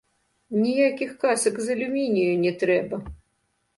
Ніякіх касак з алюмінію не трэба.